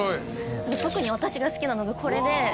特に私が好きなのがこれで。